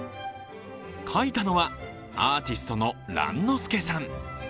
描いたのは、アーティストのＲａｎｎｏｓｕｋｅさん。